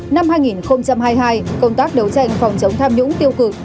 năm hai nghìn hai mươi hai công tác đấu tranh phòng chống tham nhũng tiêu cực